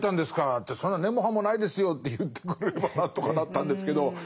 って「そんな根も葉もないですよ」って言ってくれれば何とかなったんですけど。